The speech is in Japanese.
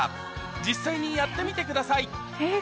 実際にやってみてくださいえっ